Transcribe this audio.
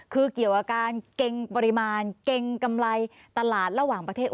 คือเกี่ยวกับการเกรงปริมาณเกรงกำไรตลาดระหว่างประเทศ